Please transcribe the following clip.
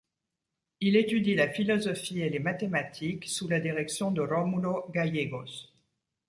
Il étudie la philosophie et les mathématiques sous la direction de Rómulo Gallegos.